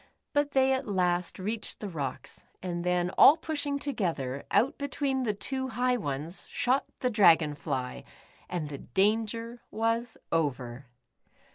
But they at last reached the rocks, and then, all pushing together, out between the two high ones — shot the Dragon Jiy, and the dan ger was over.